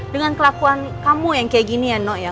dengan kelakuan kamu yang kayak gini ya nok ya